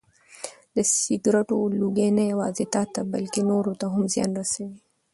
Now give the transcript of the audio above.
د سګرټو لوګی نه یوازې تاته بلکې نورو ته هم زیان رسوي.